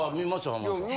浜田さん。